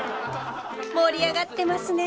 盛り上がってますね。